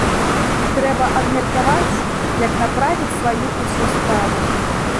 Трэба абмеркаваць, як направіць сваю ўсю справу.